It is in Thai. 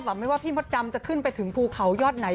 ไม่ว่าพี่มดดำจะขึ้นไปถึงภูเขายอดไหน